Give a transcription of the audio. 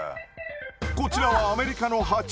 こちらはアメリカのは虫類